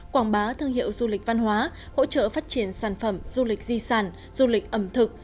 quảng bá thương hiệu du lịch văn hóa hỗ trợ phát triển sản phẩm du lịch di sản du lịch ẩm thực